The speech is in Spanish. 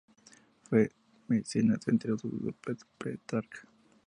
Fue mecenas entre otros de Petrarca.